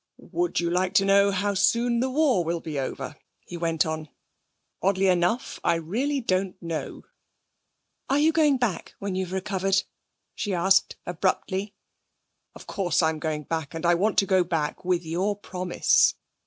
'Would you like to know how soon the war will be over?' he went on. 'Oddly enough, I really don't know!' 'Are you going back when you've recovered?' she asked abruptly. 'Of course I'm going back; and I want to go back with your promise.'